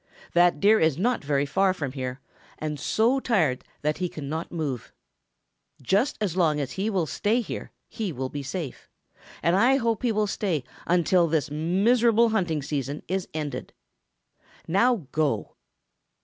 That Deer is not very far from here and so tired that he cannot move. Just as long as he will stay here, he will be safe, and I hope he will stay until this miserable hunting season is ended. Now go."